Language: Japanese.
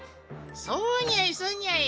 そうにゃいそうにゃい。